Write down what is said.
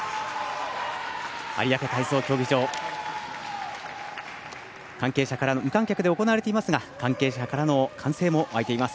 有明体操競技場無観客で行われていますが関係者からの歓声も沸いています。